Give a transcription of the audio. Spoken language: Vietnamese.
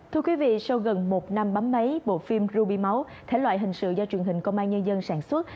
thưa quý vị sau gần một năm bấm máy bộ phim ruby máu thể loại hình sự do truyền hình công an nhân dân sản xuất